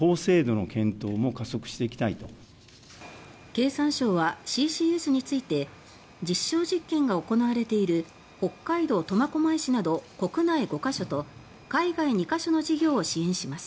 経産省は、ＣＣＳについて実証実験が行われている北海道・苫小牧市など国内５か所と海外２か所の事業を支援します。